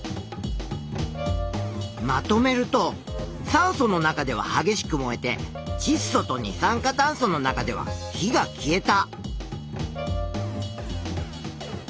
まとめると酸素の中でははげしく燃えてちっ素と二酸化炭素の中では火が消えた。